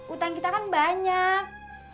utang kita kan banyak